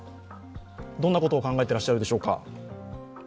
どんなことを考えているでしょうか。